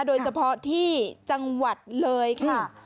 โดยเฉพาะที่จังหวัดเลยค่ะ